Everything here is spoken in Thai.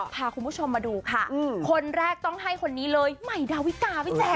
พาคุณผู้ชมมาดูค่ะคนแรกต้องให้คนนี้เลยใหม่ดาวิกาพี่แจ๊